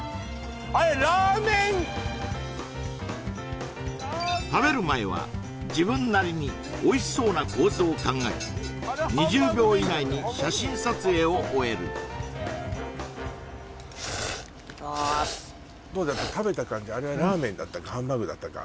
あれラーメン食べる前は自分なりにおいしそうな構図を考え２０秒以内に写真撮影を終えるあれはラーメンだったか？